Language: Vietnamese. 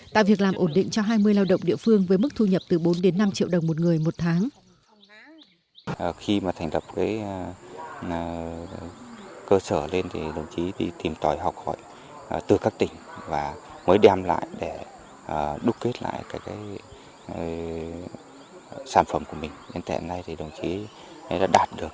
tại việc làm ổn định cho hai mươi lao động địa phương với mức thu nhập từ bốn đến năm triệu đồng